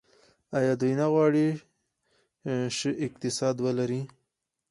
آیا دوی نه غواړي شنه اقتصاد ولري؟